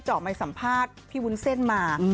เจาะที่รังไมสัมภาษณ์พี่วุ้นเส้นมา